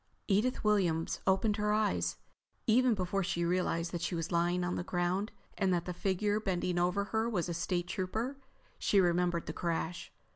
Edith Williams opened her eyes. Even before she realized that she was lying on the ground and that the figure bending over her was a State Trooper, she remembered the crash.